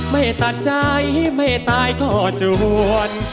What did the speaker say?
ไม่ตัดใจไม่ตายก็จวน